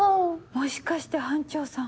もしかして班長さん